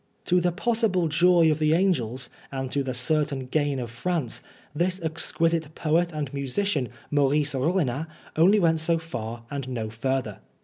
To the possible joy of the angels and to the certain gain of France, this exquisite poet and musician, Maurice Rollinat, went only so far and no further.